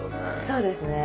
そうですね。